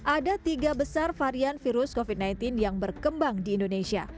ada tiga besar varian virus covid sembilan belas yang berkembang di indonesia